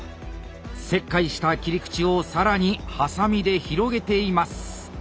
切開した切り口を更にハサミで広げています。